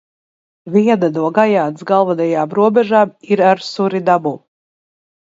Viena no Gajānas galvenajām robežām ir ar Surinamu.